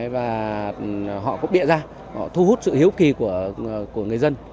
và họ cốc địa ra họ thu hút sự hiếu kỳ của người dân